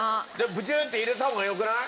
ブチュッて入れた方がよくない？